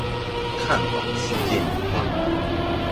看懂世界名畫